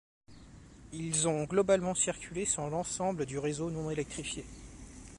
Ils ont globalement circulé sur l'ensemble du réseau non électrifié.